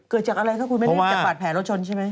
เกิดจากอะไรคะคุณไม่ได้จากบาดแผลรถชนใช่ไหม